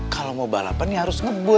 kalau mau balapan ya harus ngebut